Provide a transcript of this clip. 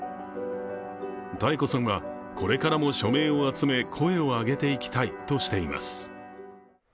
多恵子さんは、これからも署名を集め声を上げていきたいとしています。